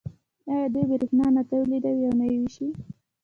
آیا دوی بریښنا نه تولیدوي او نه یې ویشي؟